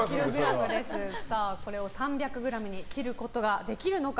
これを３００ｇに切ることができるのか。